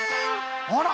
あら。